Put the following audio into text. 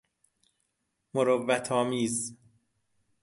مروت آمیز